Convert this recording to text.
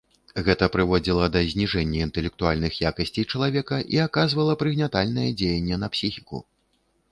Гэта прыводзіла да зніжэння інтэлектуальных якасцей чалавека і аказвала прыгнятальнае дзеянне на псіхіку.